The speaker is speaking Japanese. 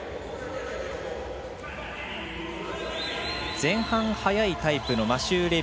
前半速いタイプのマシュー・レビ。